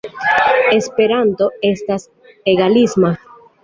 Esperanto estas egalisma.